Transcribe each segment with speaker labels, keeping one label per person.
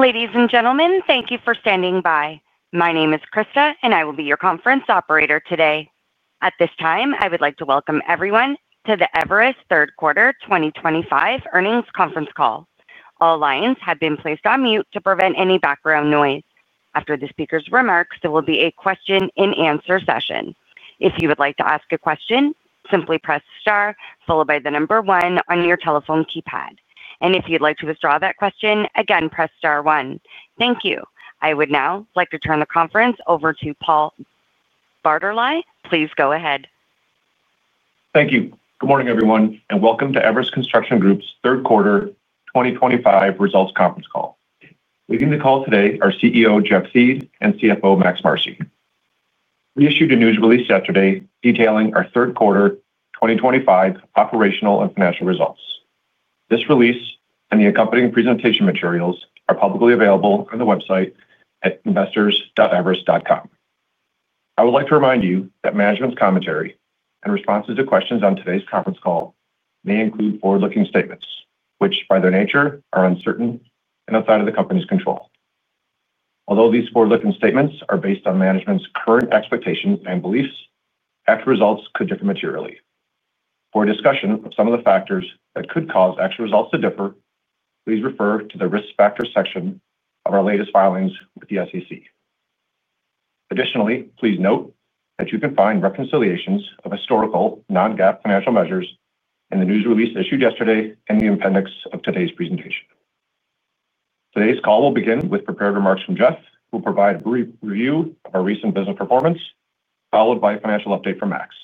Speaker 1: Ladies and gentlemen, thank you for standing by. My name is Krista, and I will be your conference operator today. At this time, I would like to welcome everyone to the Everus Third Quarter 2025 earnings conference call. All lines have been placed on mute to prevent any background noise. After the speaker's remarks, there will be a question-and-answer session. If you would like to ask a question, simply press star followed by the number one on your telephone keypad. If you'd like to withdraw that question, again, press star one. Thank you. I would now like to turn the conference over to Paul Bartolai. Please go ahead.
Speaker 2: Thank you. Good morning, everyone, and welcome to Everus Construction Group's third quarter 2025 results conference call. Leading the call today are CEO Jeff Thiede and CFO Max Marcy. We issued a news release yesterday detailing our Third Quarter 2025 operational and financial results. This release and the accompanying presentation materials are publicly available on the website at investors.everus.com. I would like to remind you that management's commentary and responses to questions on today's conference call may include forward-looking statements, which by their nature are uncertain and outside of the company's control. Although these forward-looking statements are based on management's current expectations and beliefs, actual results could differ materially. For a discussion of some of the factors that could cause actual results to differ, please refer to the Risk Factor section of our latest filings with the SEC. Additionally, please note that you can find reconciliations of historical non-GAAP financial measures in the news release issued yesterday and the appendix of today's presentation. Today's call will begin with prepared remarks from Jeff, who will provide a brief review of our recent business performance, followed by a financial update from Max.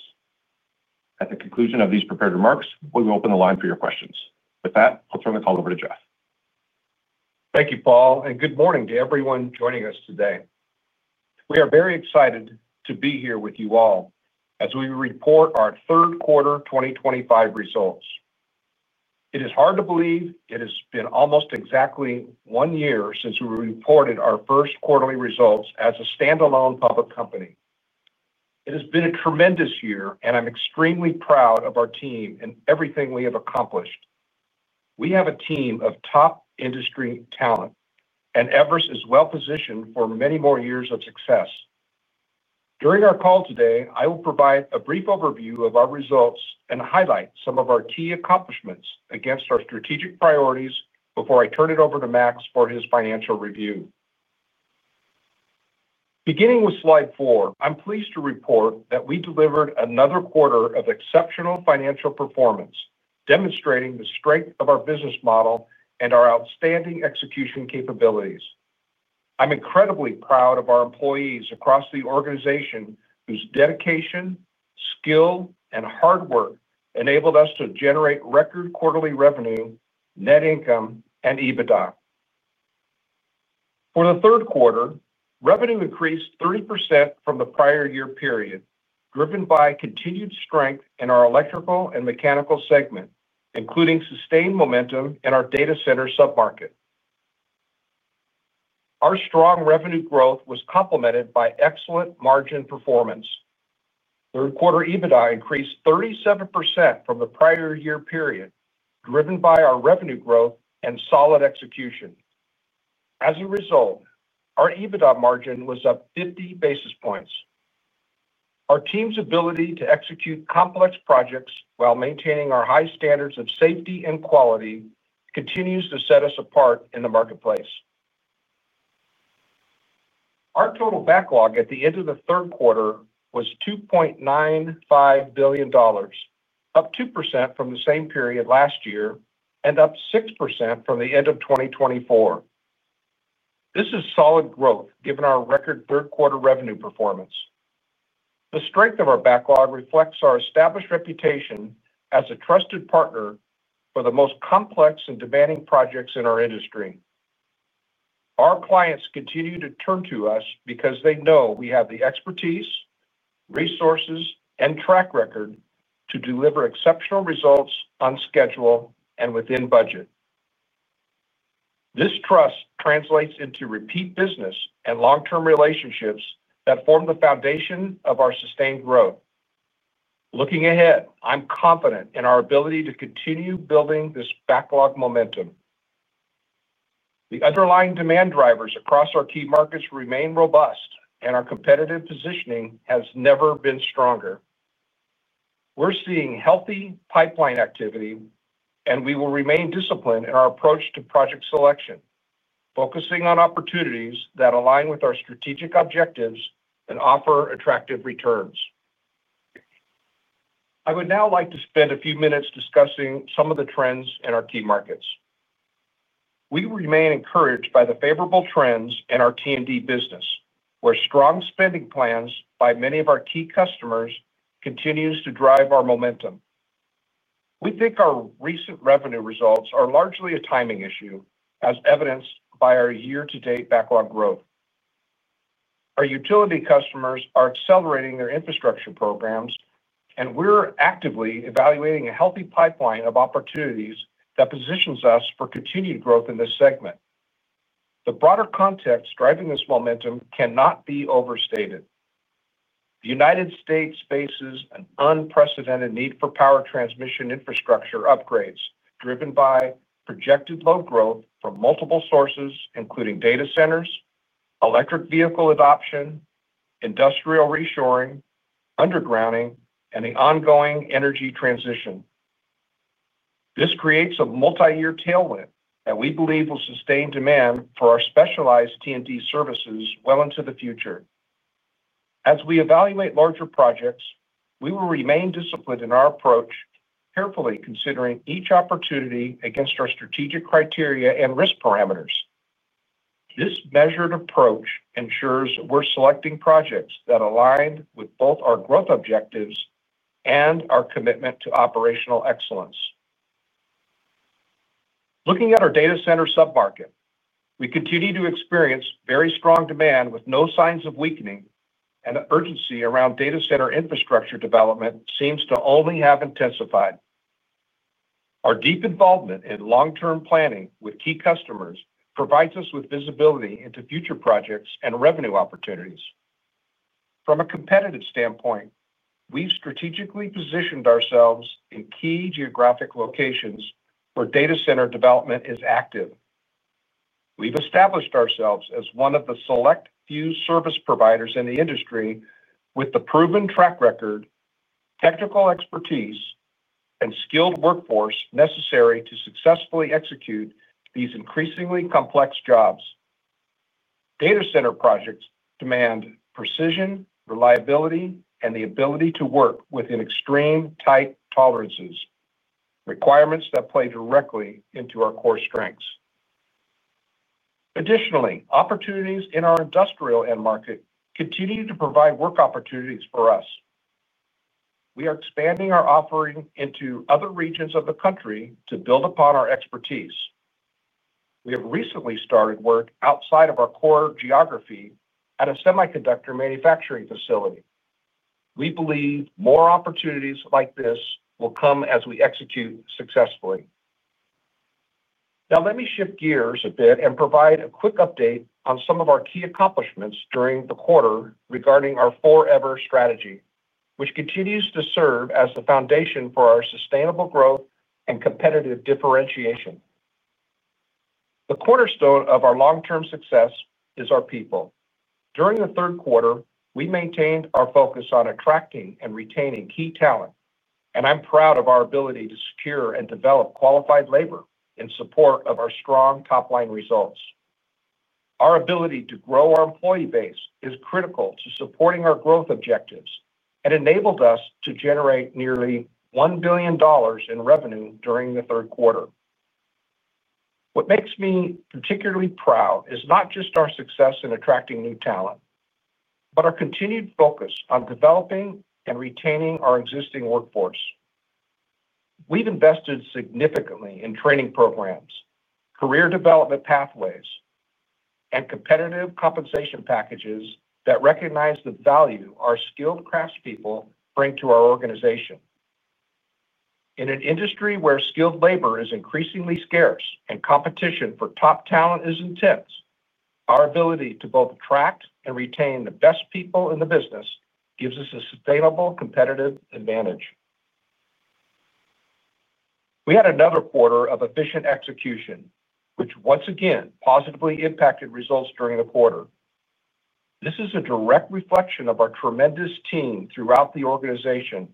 Speaker 2: At the conclusion of these prepared remarks, we will open the line for your questions. With that, I'll turn the call over to Jeff.
Speaker 3: Thank you, Paul, and good morning to everyone joining us today. We are very excited to be here with you all as we report our third quarter 2025 results. It is hard to believe it has been almost exactly one year since we reported our first quarterly results as a standalone public company. It has been a tremendous year, and I'm extremely proud of our team and everything we have accomplished. We have a team of top industry talent, and Everus is well-positioned for many more years of success. During our call today, I will provide a brief overview of our results and highlight some of our key accomplishments against our strategic priorities before I turn it over to Max for his financial review. Beginning with slide four, I'm pleased to report that we delivered another quarter of exceptional financial performance, demonstrating the strength of our business model and our outstanding execution capabilities. I'm incredibly proud of our employees across the organization whose dedication, skill, and hard work enabled us to generate record quarterly revenue, net income, and EBITDA. For the third quarter, revenue increased 30% from the prior year period, driven by continued strength in our electrical and mechanical segment, including sustained momentum in our data center submarket. Our strong revenue growth was complemented by excellent margin performance. Third quarter EBITDA increased 37% from the prior year period, driven by our revenue growth and solid execution. As a result, our EBITDA margin was up 50 basis points. Our team's ability to execute complex projects while maintaining our high standards of safety and quality continues to set us apart in the marketplace. Our total backlog at the end of the third quarter was $2.95 billion. Up 2% from the same period last year and up 6% from the end of 2024. This is solid growth given our record third quarter revenue performance. The strength of our backlog reflects our established reputation as a trusted partner for the most complex and demanding projects in our industry. Our clients continue to turn to us because they know we have the expertise, resources, and track record to deliver exceptional results on schedule and within budget. This trust translates into repeat business and long-term relationships that form the foundation of our sustained growth. Looking ahead, I'm confident in our ability to continue building this backlog momentum. The underlying demand drivers across our key markets remain robust, and our competitive positioning has never been stronger. We're seeing healthy pipeline activity, and we will remain disciplined in our approach to project selection, focusing on opportunities that align with our strategic objectives and offer attractive returns. I would now like to spend a few minutes discussing some of the trends in our key markets. We remain encouraged by the favorable trends in our T&D business, where strong spending plans by many of our key customers continue to drive our momentum. We think our recent revenue results are largely a timing issue, as evidenced by our year-to-date backlog growth. Our utility customers are accelerating their infrastructure programs, and we're actively evaluating a healthy pipeline of opportunities that positions us for continued growth in this segment. The broader context driving this momentum cannot be overstated. The United States faces an unprecedented need for power transmission infrastructure upgrades, driven by projected load growth from multiple sources, including data centers, electric vehicle adoption, industrial reshoring, undergrounding, and the ongoing energy transition. This creates a multi-year tailwind that we believe will sustain demand for our specialized T&D services well into the future. As we evaluate larger projects, we will remain disciplined in our approach, carefully considering each opportunity against our strategic criteria and risk parameters. This measured approach ensures we're selecting projects that align with both our growth objectives and our commitment to operational excellence. Looking at our data center submarket, we continue to experience very strong demand with no signs of weakening, and the urgency around data center infrastructure development seems to only have intensified. Our deep involvement in long-term planning with key customers provides us with visibility into future projects and revenue opportunities. From a competitive standpoint, we've strategically positioned ourselves in key geographic locations where data center development is active. We've established ourselves as one of the select few service providers in the industry with the proven track record, technical expertise, and skilled workforce necessary to successfully execute these increasingly complex jobs. Data center projects demand precision, reliability, and the ability to work within extreme tight tolerances, requirements that play directly into our core strengths. Additionally, opportunities in our industrial end market continue to provide work opportunities for us. We are expanding our offering into other regions of the country to build upon our expertise. We have recently started work outside of our core geography at a semiconductor manufacturing facility. We believe more opportunities like this will come as we execute successfully. Now, let me shift gears a bit and provide a quick update on some of our key accomplishments during the quarter regarding our Forever strategy, which continues to serve as the foundation for our sustainable growth and competitive differentiation. The cornerstone of our long-term success is our people. During the third quarter, we maintained our focus on attracting and retaining key talent, and I'm proud of our ability to secure and develop qualified labor in support of our strong top-line results. Our ability to grow our employee base is critical to supporting our growth objectives and enabled us to generate nearly $1 billion in revenue during the third quarter. What makes me particularly proud is not just our success in attracting new talent, but our continued focus on developing and retaining our existing workforce. We've invested significantly in training programs, career development pathways, and competitive compensation packages that recognize the value our skilled craftspeople bring to our organization. In an industry where skilled labor is increasingly scarce and competition for top talent is intense, our ability to both attract and retain the best people in the business gives us a sustainable competitive advantage. We had another quarter of efficient execution, which once again positively impacted results during the quarter. This is a direct reflection of our tremendous team throughout the organization.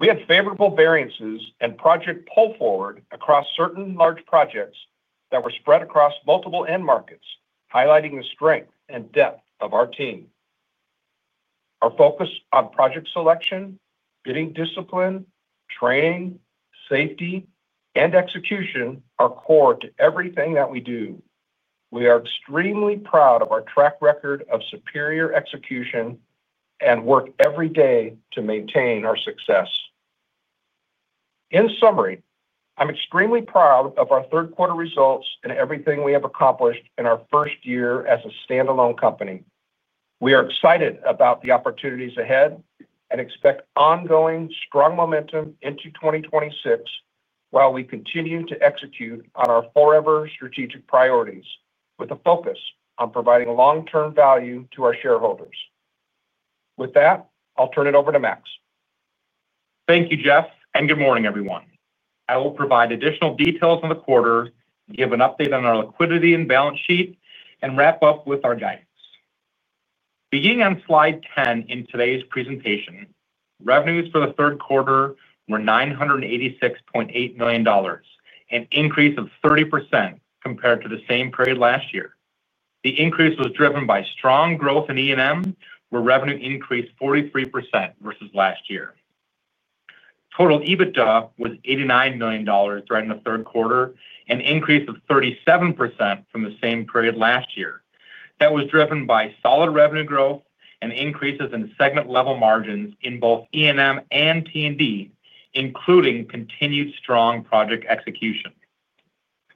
Speaker 3: We had favorable variances and project pull forward across certain large projects that were spread across multiple end markets, highlighting the strength and depth of our team. Our focus on project selection, bidding discipline, training, safety, and execution are core to everything that we do. We are extremely proud of our track record of superior execution and work every day to maintain our success. In summary, I'm extremely proud of our third-quarter results and everything we have accomplished in our first year as a standalone company. We are excited about the opportunities ahead and expect ongoing strong momentum into 2026 while we continue to execute on our Forever strategic priorities with a focus on providing long-term value to our shareholders. With that, I'll turn it over to Max.
Speaker 4: Thank you, Jeff, and good morning, everyone. I will provide additional details on the quarter, give an update on our liquidity and balance sheet, and wrap up with our guidance. Beginning on slide 10 in today's presentation, revenues for the third quarter were $986.8 million, an increase of 30% compared to the same period last year. The increase was driven by strong growth in E&M, where revenue increased 43% versus last year. Total EBITDA was $89 million during the third quarter, an increase of 37% from the same period last year. That was driven by solid revenue growth and increases in segment-level margins in both E&M and T&D, including continued strong project execution.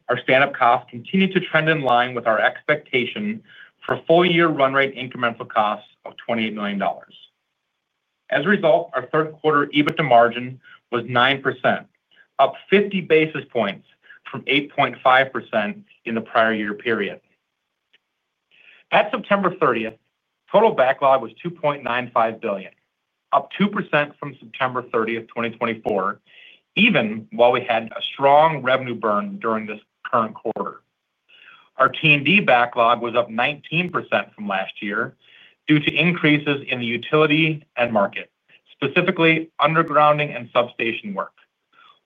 Speaker 4: Our stand-up costs continue to trend in line with our expectation for full-year run-rate incremental costs of $28 million. As a result, our third-quarter EBITDA margin was 9%, up 50 basis points from 8.5% in the prior year period. At September 30, total backlog was $2.95 billion, up 2% from September 30th, 2024, even while we had a strong revenue burn during this current quarter. Our T&D backlog was up 19% from last year due to increases in the utility end market, specifically undergrounding and substation work,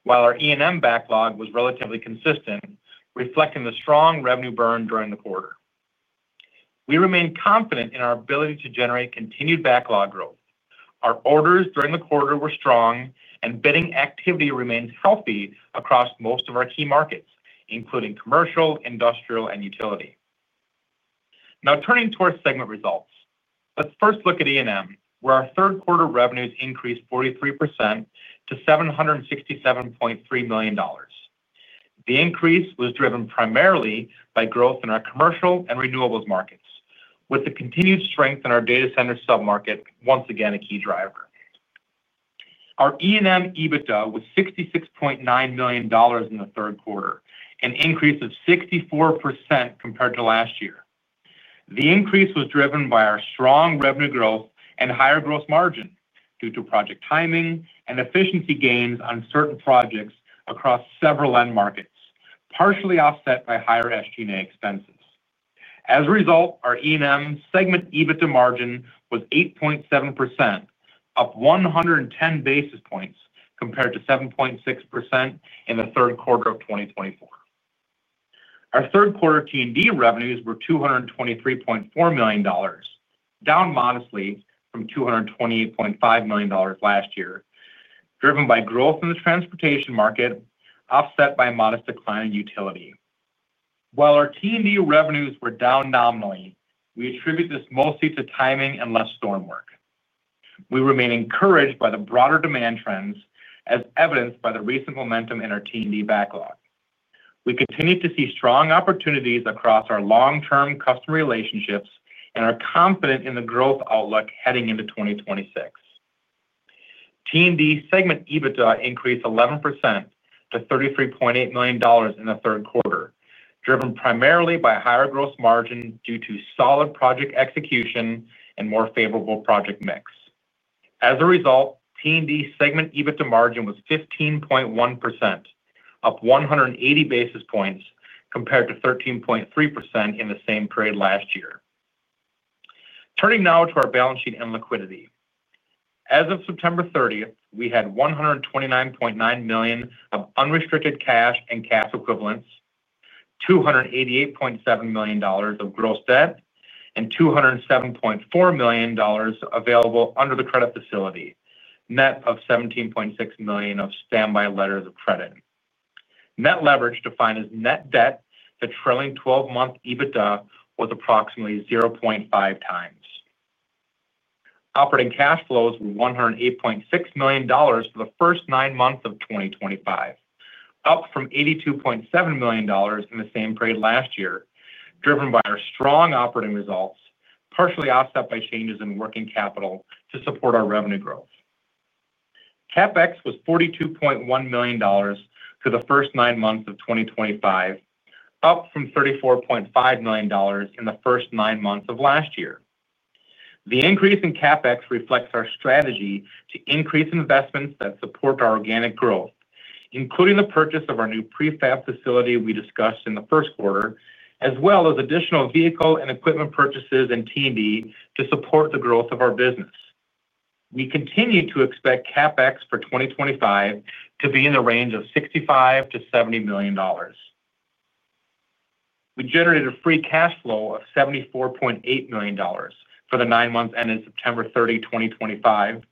Speaker 4: while our E&M backlog was relatively consistent, reflecting the strong revenue burn during the quarter. We remain confident in our ability to generate continued backlog growth. Our orders during the quarter were strong, and bidding activity remains healthy across most of our key markets, including commercial, industrial, and utility. Now, turning towards segment results, let's first look at E&M, where our third-quarter revenues increased 43% to $767.3 million. The increase was driven primarily by growth in our commercial and renewables markets, with the continued strength in our data center submarket once again a key driver. Our E&M EBITDA was $66.9 million in the third quarter, an increase of 64% compared to last year. The increase was driven by our strong revenue growth and higher gross margin due to project timing and efficiency gains on certain projects across several end markets, partially offset by higher SG&A expenses. As a result, our E&M segment EBITDA margin was 8.7%, up 110 basis points compared to 7.6% in the third quarter of 2024. Our third-quarter T&D revenues were $223.4 million, down modestly from $228.5 million last year, driven by growth in the transportation market, offset by a modest decline in utility. While our T&D revenues were down nominally, we attribute this mostly to timing and less storm work. We remain encouraged by the broader demand trends, as evidenced by the recent momentum in our T&D backlog. We continue to see strong opportunities across our long-term customer relationships and are confident in the growth outlook heading into 2026. T&D segment EBITDA increased 11% to $33.8 million in the third quarter, driven primarily by higher gross margin due to solid project execution and more favorable project mix. As a result, T&D segment EBITDA margin was 15.1%, up 180 basis points compared to 13.3% in the same period last year. Turning now to our balance sheet and liquidity. As of September 30th, we had $129.9 million of unrestricted cash and cash equivalents, $288.7 million of gross debt, and $207.4 million available under the credit facility, net of $17.6 million of standby letters of credit. Net leverage, defined as net debt to trailing 12-month EBITDA, was approximately 0.5x. Operating cash flows were $108.6 million for the first nine months of 2025. Up from $82.7 million in the same period last year, driven by our strong operating results, partially offset by changes in working capital to support our revenue growth. CapEx was $42.1 million for the first nine months of 2025. Up from $34.5 million in the first nine months of last year. The increase in CapEx reflects our strategy to increase investments that support our organic growth, including the purchase of our new prefab facility we discussed in the first quarter, as well as additional vehicle and equipment purchases in T&D to support the growth of our business. We continue to expect CapEx for 2025 to be in the range of $65 million-$70 million. We generated a free cash flow of $74.8 million for the nine months ending September 3, 2025.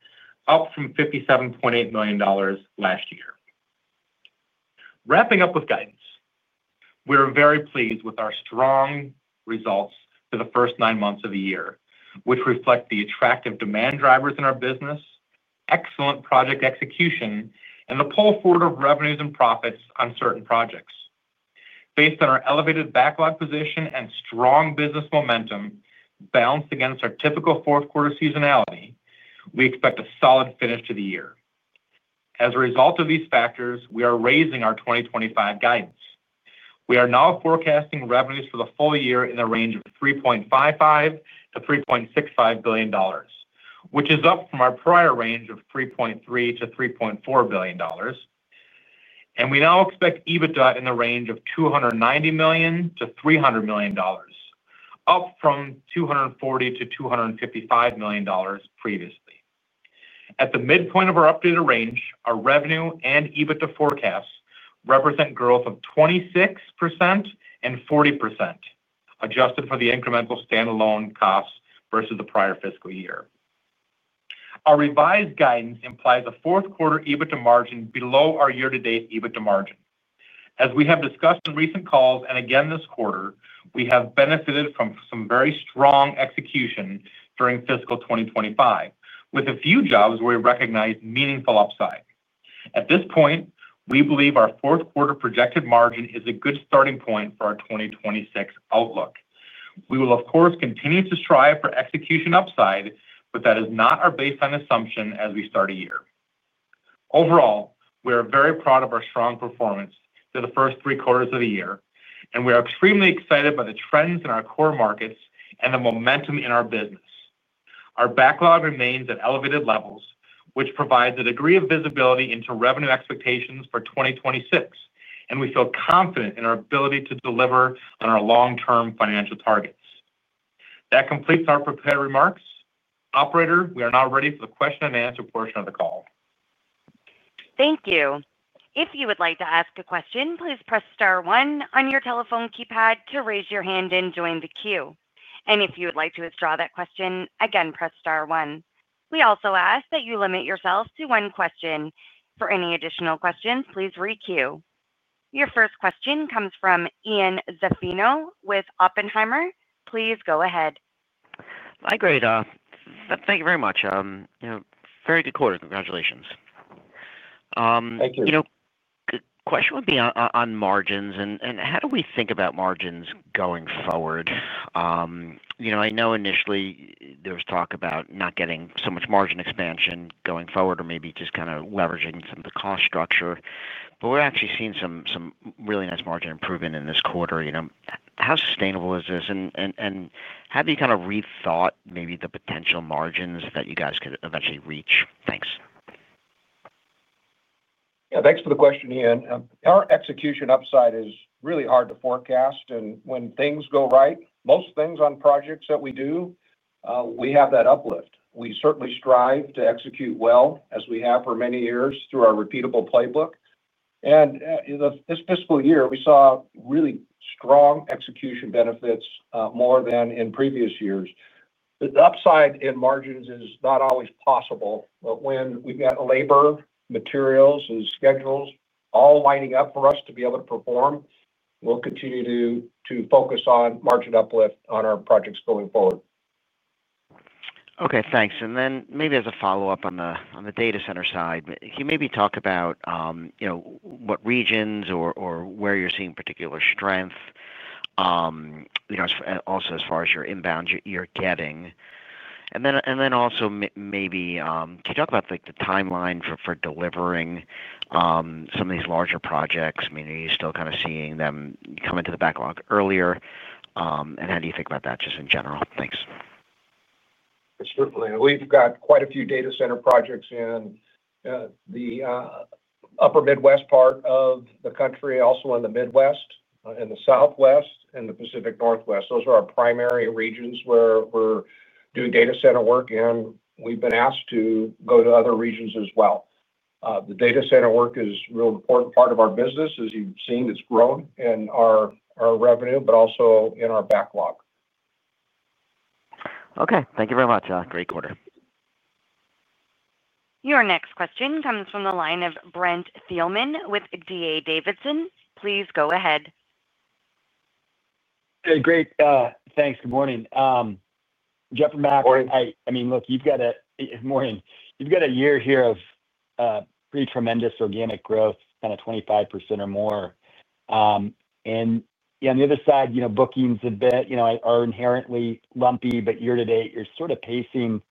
Speaker 4: Up from $57.8 million last year. Wrapping up with guidance. We are very pleased with our strong results for the first nine months of the year, which reflect the attractive demand drivers in our business, excellent project execution, and the pull forward of revenues and profits on certain projects. Based on our elevated backlog position and strong business momentum balanced against our typical fourth-quarter seasonality, we expect a solid finish to the year. As a result of these factors, we are raising our 2025 guidance. We are now forecasting revenues for the full year in the range of $3.55 billion-$3.65 billion, which is up from our prior range of $3.3 billion-$3.4 billion. We now expect EBITDA in the range of $290 million-$300 million, up from $240 million-$255 million previously. At the midpoint of our updated range, our revenue and EBITDA forecasts represent growth of 26% and 40%, adjusted for the incremental standalone costs versus the prior fiscal year. Our revised guidance implies a fourth-quarter EBITDA margin below our year-to-date EBITDA margin. As we have discussed in recent calls and again this quarter, we have benefited from some very strong execution during fiscal 2025, with a few jobs where we recognize meaningful upside. At this point, we believe our fourth-quarter projected margin is a good starting point for our 2026 outlook. We will, of course, continue to strive for execution upside, but that is not our baseline assumption as we start a year. Overall, we are very proud of our strong performance through the first three quarters of the year, and we are extremely excited by the trends in our core markets and the momentum in our business. Our backlog remains at elevated levels, which provides a degree of visibility into revenue expectations for 2026, and we feel confident in our ability to deliver on our long-term financial targets. That completes our prepared remarks. Operator, we are now ready for the question-and-answer portion of the call.
Speaker 1: Thank you. If you would like to ask a question, please press star one on your telephone keypad to raise your hand and join the queue. If you would like to withdraw that question, again, press star one. We also ask that you limit yourself to one question. For any additional questions, please requeue. Your first question comes from Ian Zaffino with Oppenheimer. Please go ahead.
Speaker 5: Hi, Greta. Thank you very much. Very good quarter. Congratulations.
Speaker 4: Thank you.
Speaker 5: The question would be on margins and how do we think about margins going forward? I know initially there was talk about not getting so much margin expansion going forward or maybe just kind of leveraging some of the cost structure, but we're actually seeing some really nice margin improvement in this quarter. How sustainable is this? Have you kind of rethought maybe the potential margins that you guys could eventually reach? Thanks.
Speaker 3: Yeah, thanks for the question, Ian. Our execution upside is really hard to forecast. When things go right, most things on projects that we do, we have that uplift. We certainly strive to execute well, as we have for many years through our repeatable playbook. This fiscal year, we saw really strong execution benefits more than in previous years. The upside in margins is not always possible, but when we have labor, materials, and schedules all lining up for us to be able to perform, we will continue to focus on margin uplift on our projects going forward.
Speaker 5: Okay, thanks. Maybe as a follow-up on the data center side, can you maybe talk about what regions or where you're seeing particular strength? Also, as far as your inbounds you're getting, and then also maybe can you talk about the timeline for delivering some of these larger projects? I mean, are you still kind of seeing them come into the backlog earlier? How do you think about that just in general? Thanks.
Speaker 3: Certainly. We've got quite a few data center projects in the Upper Midwest part of the country, also in the Midwest, in the Southwest, and the Pacific Northwest. Those are our primary regions where we're doing data center work, and we've been asked to go to other regions as well. The data center work is a real important part of our business, as you've seen it's grown in our revenue, but also in our backlog.
Speaker 5: Okay, thank you very much. Great quarter.
Speaker 1: Your next question comes from the line of Brent Thielman with D.A. Davidson. Please go ahead.
Speaker 6: Hey, Greta. Thanks. Good morning. Jeffrey Thiede.
Speaker 3: Morning.
Speaker 6: I mean, look, you've got a year here of pretty tremendous organic growth, kind of 25% or more. On the other side, bookings a bit are inherently lumpy, but year to date, you're sort of pacing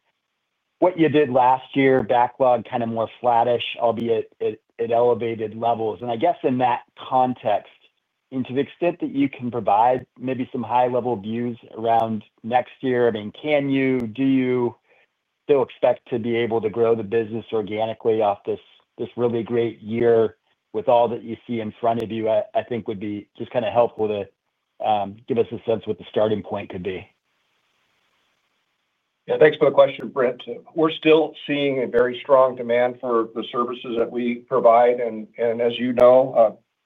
Speaker 6: what you did last year, backlog kind of more flattish, albeit at elevated levels. I guess in that context, to the extent that you can provide maybe some high-level views around next year, I mean, can you, do you still expect to be able to grow the business organically off this really great year with all that you see in front of you? I think it would be just kind of helpful to give us a sense of what the starting point could be.
Speaker 3: Yeah, thanks for the question, Brent. We're still seeing a very strong demand for the services that we provide. As you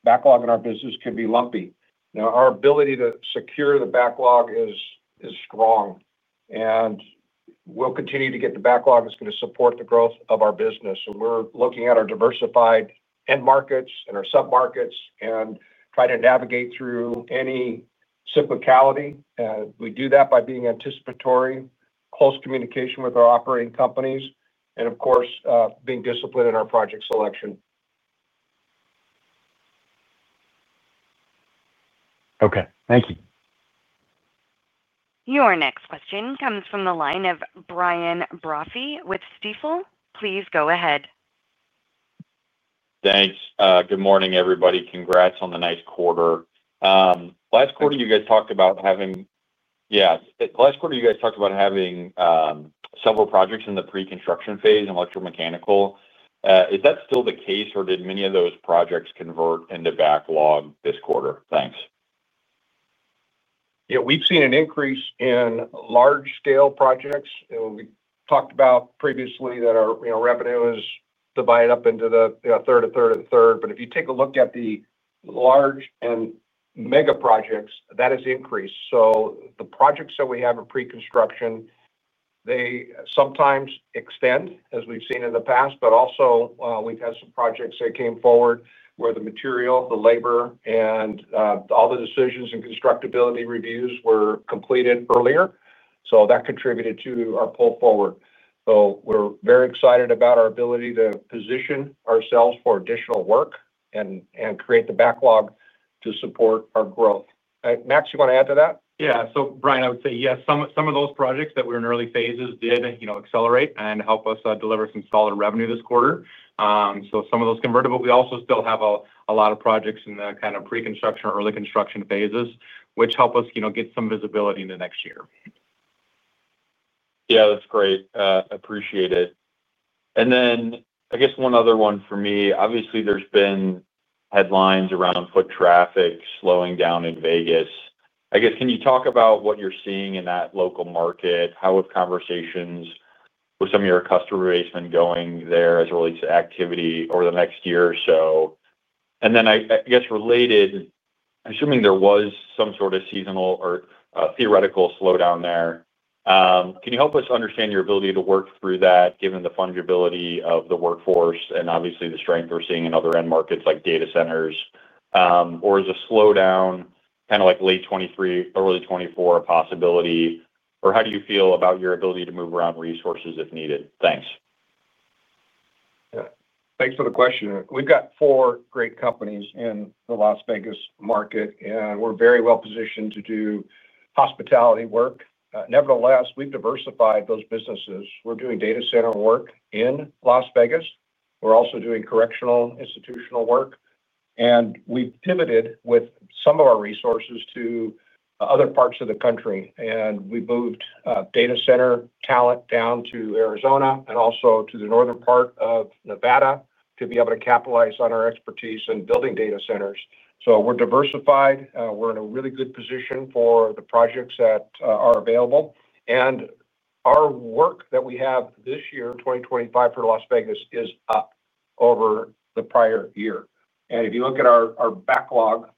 Speaker 3: know, backlog in our business could be lumpy. Our ability to secure the backlog is strong. We'll continue to get the backlog that's going to support the growth of our business. We're looking at our diversified end markets and our submarkets and trying to navigate through any cyclicality. We do that by being anticipatory, close communication with our operating companies, and of course, being disciplined in our project selection.
Speaker 6: Okay, thank you.
Speaker 1: Your next question comes from the line of Brian Brophy with Stifel. Please go ahead.
Speaker 7: Thanks. Good morning, everybody. Congrats on the nice quarter. Last quarter, you guys talked about having, yeah, last quarter, you guys talked about having several projects in the pre-construction phase and electromechanical. Is that still the case, or did many of those projects convert into backlog this quarter? Thanks.
Speaker 3: Yeah, we've seen an increase in large-scale projects. We talked about previously that our revenue is divided up into a third, a third, a third. If you take a look at the large and mega projects, that has increased. The projects that we have in pre-construction sometimes extend, as we've seen in the past. Also, we've had some projects that came forward where the material, the labor, and all the decisions and constructability reviews were completed earlier. That contributed to our pull forward. We're very excited about our ability to position ourselves for additional work and create the backlog to support our growth. Max, you want to add to that?
Speaker 4: Yeah. Brian, I would say, yes, some of those projects that were in early phases did accelerate and help us deliver some solid revenue this quarter. Some of those converted, but we also still have a lot of projects in the kind of pre-construction or early construction phases, which help us get some visibility in the next year.
Speaker 7: Yeah, that's great. Appreciate it. I guess one other one for me, obviously, there's been headlines around foot traffic slowing down in Las Vegas. I guess, can you talk about what you're seeing in that local market? How are conversations with some of your customer base going there as it relates to activity over the next year or so? I guess related, I'm assuming there was some sort of seasonal or theoretical slowdown there. Can you help us understand your ability to work through that, given the fungibility of the workforce and obviously the strength we're seeing in other end markets like data centers? Is a slowdown kind of like late 2023, early 2024 a possibility? How do you feel about your ability to move around resources if needed? Thanks.
Speaker 3: Yeah. Thanks for the question. We've got four great companies in the Las Vegas market, and we're very well-positioned to do hospitality work. Nevertheless, we've diversified those businesses. We're doing data center work in Las Vegas. We're also doing correctional institutional work. We pivoted with some of our resources to other parts of the country. We moved data center talent down to Arizona and also to the northern part of Nevada to be able to capitalize on our expertise in building data centers. We're diversified. We're in a really good position for the projects that are available. Our work that we have this year, 2025 for Las Vegas, is up over the prior year. If you look at our backlog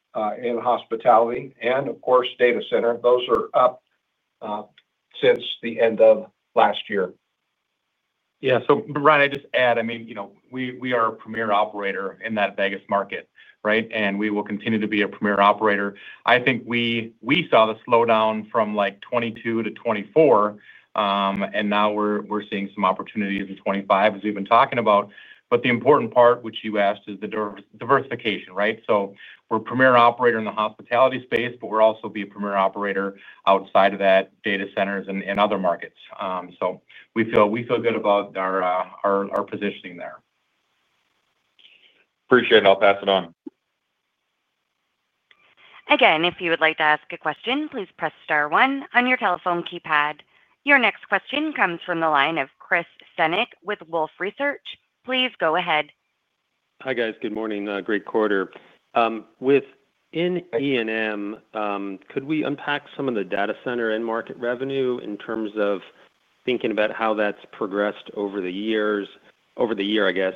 Speaker 3: in hospitality and, of course, data center, those are up since the end of last year.
Speaker 6: Yeah. So, Brian, I just add, I mean, we are a premier operator in that Vegas market, right? We will continue to be a premier operator. I think we saw the slowdown from 2022-2024. Now we are seeing some opportunities in 2025, as we have been talking about. The important part, which you asked, is the diversification, right? We are a premier operator in the hospitality space, but we are also being a premier operator outside of that, data centers and other markets. We feel good about our positioning there.
Speaker 7: Appreciate it. I'll pass it on.
Speaker 1: Again, if you would like to ask a question, please press star one on your telephone keypad. Your next question comes from the line of Chris Senyek with Wolfe Research. Please go ahead.
Speaker 8: Hi guys. Good morning. Great quarter. Within E&M, could we unpack some of the data center end market revenue in terms of thinking about how that's progressed over the years, over the year, I guess?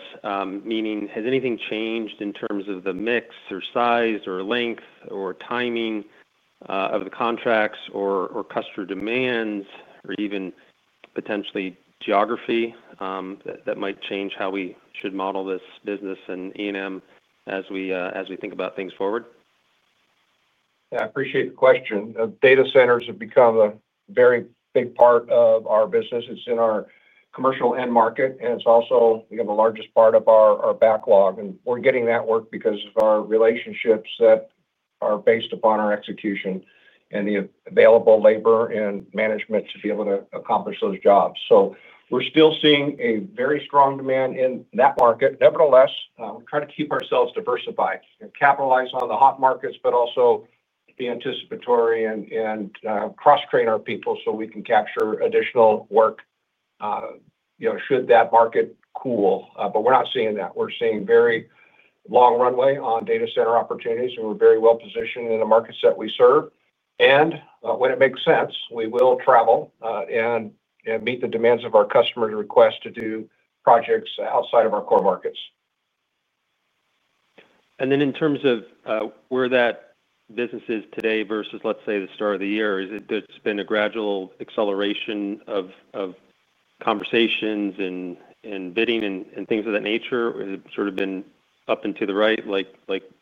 Speaker 8: Meaning, has anything changed in terms of the mix or size or length or timing of the contracts or customer demands or even potentially geography that might change how we should model this business and E&M as we think about things forward?
Speaker 3: Yeah, I appreciate the question. Data centers have become a very big part of our business. It's in our commercial end market, and it's also the largest part of our backlog. We're getting that work because of our relationships that are based upon our execution and the available labor and management to be able to accomplish those jobs. We're still seeing a very strong demand in that market. Nevertheless, we try to keep ourselves diversified and capitalize on the hot markets, but also be anticipatory and cross-train our people so we can capture additional work should that market cool. We're not seeing that. We're seeing very long runway on data center opportunities, and we're very well-positioned in the markets that we serve. When it makes sense, we will travel and meet the demands of our customers' request to do projects outside of our core markets.
Speaker 8: In terms of where that business is today versus, let's say, the start of the year, has it been a gradual acceleration of conversations and bidding and things of that nature? Has it sort of been up and to the right like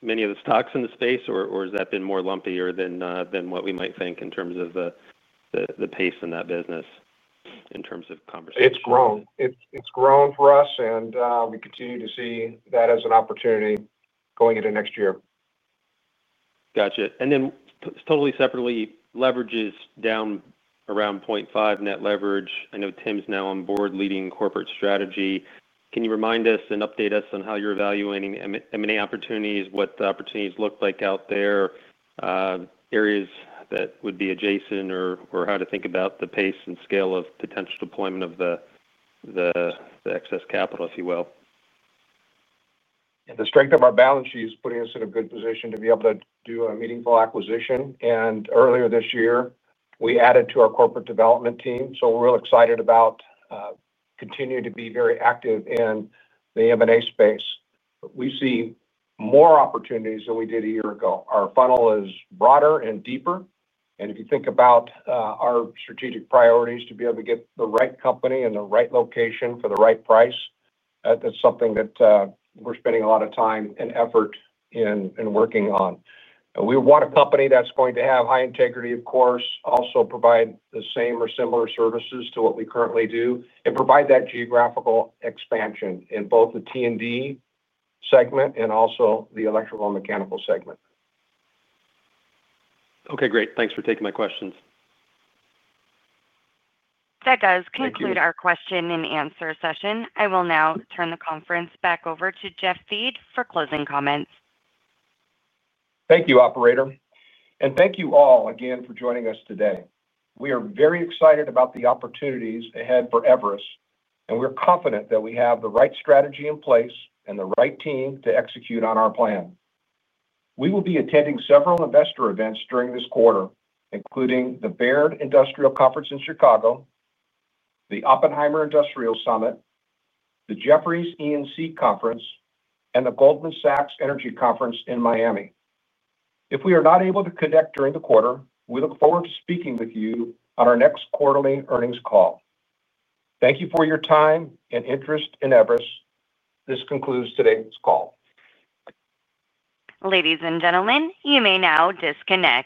Speaker 8: many of the stocks in the space, or has that been more lumpier than what we might think in terms of the pace in that business? In terms of conversations?
Speaker 3: It's grown. It's grown for us, and we continue to see that as an opportunity going into next year.
Speaker 8: Gotcha. Then totally separately, leverage is down around 0.5 net leverage. I know Tim's now on board leading corporate strategy. Can you remind us and update us on how you're evaluating M&A opportunities, what the opportunities look like out there? Areas that would be adjacent, or how to think about the pace and scale of potential deployment of the excess capital, if you will?
Speaker 3: The strength of our balance sheet is putting us in a good position to be able to do a meaningful acquisition. Earlier this year, we added to our corporate development team. We are real excited about continuing to be very active in the M&A space. We see more opportunities than we did a year ago. Our funnel is broader and deeper. If you think about our strategic priorities to be able to get the right company in the right location for the right price, that is something that we are spending a lot of time and effort in working on. We want a company that is going to have high integrity, of course, also provide the same or similar services to what we currently do, and provide that geographical expansion in both the T&D segment and also the electrical and mechanical segment.
Speaker 8: Okay, great. Thanks for taking my questions.
Speaker 1: That does conclude our question-and-answer session. I will now turn the conference back over to Jeff Thiede for closing comments.
Speaker 3: Thank you, Operator. Thank you all again for joining us today. We are very excited about the opportunities ahead for Everus, and we're confident that we have the right strategy in place and the right team to execute on our plan. We will be attending several investor events during this quarter, including the Baird Industrial Conference in Chicago, the Oppenheimer Industrial Summit, the Jefferies E&C Conference, and the Goldman Sachs Energy Conference in Miami. If we are not able to connect during the quarter, we look forward to speaking with you on our next quarterly earnings call. Thank you for your time and interest in Everus. This concludes today's call.
Speaker 1: Ladies and gentlemen, you may now disconnect.